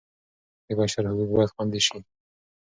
د بشر حقوق باید خوندي سي.